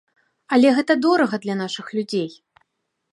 Але гэта дорага для нашых людзей!